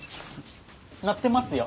鳴ってますよ。